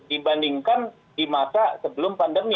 dibandingkan di masa sebelum pandemi